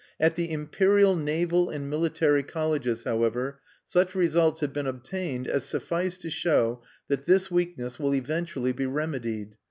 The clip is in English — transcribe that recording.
At the Imperial naval and military colleges, however, such results have been obtained as suffice to show that this weakness will eventually be remedied.